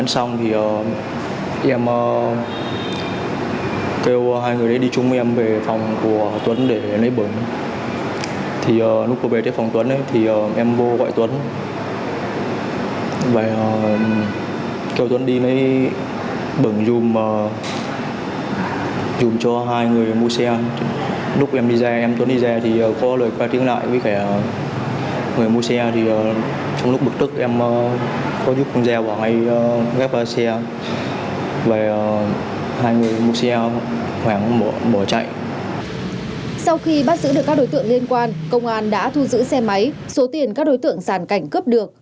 sau khi bắt giữ được các đối tượng liên quan công an đã thu giữ xe máy số tiền các đối tượng sàn cảnh cướp được